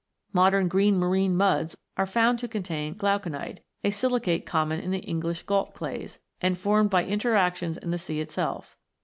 Modern green marine muds are found to contain glauconite, a silicate common in the English Gault clays, and formed by interactions in the sea itself..